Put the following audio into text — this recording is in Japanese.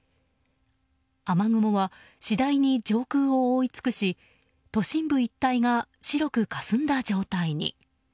雨雲は次第に上空を覆い尽くし都心部一帯が白くかすんだ状態に。